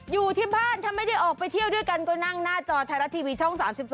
อยู่ที่บ้านถ้าไม่ได้ออกไปเที่ยวด้วยกันก็นั่งหน้าจอไทยรัฐทีวีช่อง๓๒